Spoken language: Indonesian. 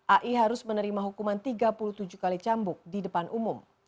ai harus menerima hukuman tiga puluh tujuh kali cambuk di depan umum